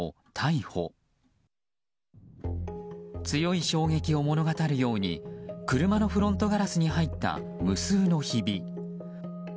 強い衝撃を物語るように車のフロントガラスに入った無数のひび。